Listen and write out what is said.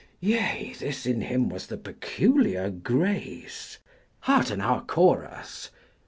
Yea, this in him was the peculiar grace 75 (Hearten our chorus!)